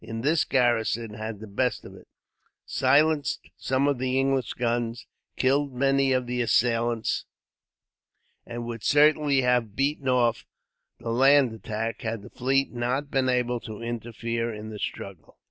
In this the garrison had the best of it, silenced some of the English guns, killed many of the assailants, and would certainly have beaten off the land attack, had the fleet not been able to interfere in the struggle.